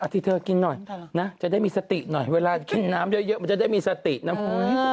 นี่เค้าบอกว่าเป็นน้ำที่แบบว่ามันถ่าย